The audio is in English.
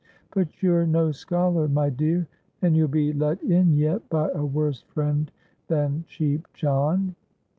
But you're no scholar, my dear, and you'll be let in yet, by a worse friend than Cheap John."